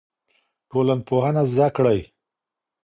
ټولنپوهنه زده کړئ.